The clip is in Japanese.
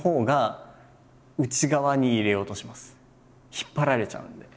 引っ張られちゃうんで。